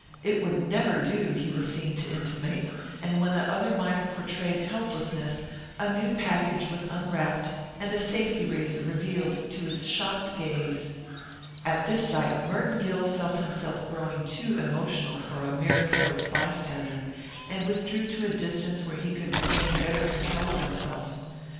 It would never do, he was seen to intimate, and when the other miner portrayed helplessness a new package was unwrapped and a safety razor revealed to his shocked gaze. At this sight Merton Gill felt himself growing too emotional for a mere careless bystander, and withdrew to a distance where he could regain better control of himself.